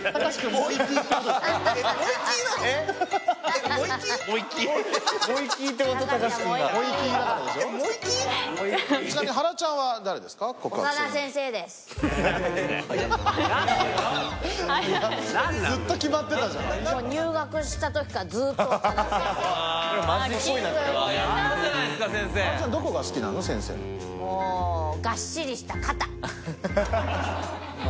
もうがっしりした肩。